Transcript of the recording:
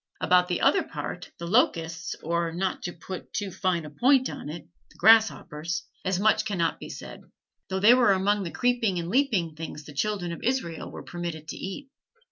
About the other part, the locusts, or, not to put too fine a point on it, the grasshoppers, as much cannot be said, though they were among the creeping and leaping things the children of Israel were permitted to eat.